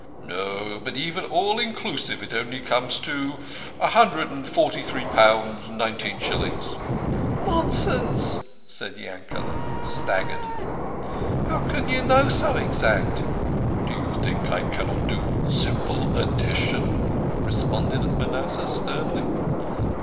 " No, but even all inclusive it only comes to a hundred and forty three pounds nineteen shillings." " Nonsense !" said Yankete, staggered. " How can you know so exact ?"" Do you think I cannot do simple addition? " responded Manasseh sternly.